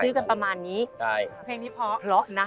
เพลงนี้เพราะนะ